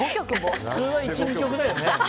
普通は１、２曲だよね。